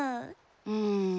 うん。